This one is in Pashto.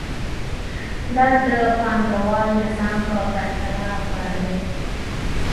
دا د پانګوال نظام په پرتله غوره دی